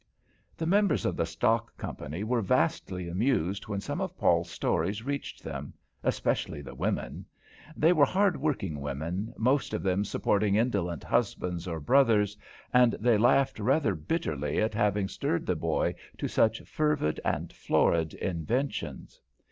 The members of the stock company were vastly amused when some of Paul's stories reached them especially the women. They were hard working women, most of them supporting indolent husbands or brothers, and they laughed rather bitterly at having stirred the boy to such fervid and florid inventions.